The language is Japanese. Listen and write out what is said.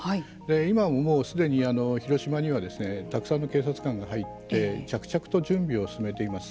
今、すでに広島にはたくさんの警察官が入って着々と準備を進めています。